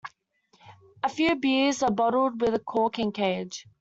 A few beers are bottled with a cork and cage.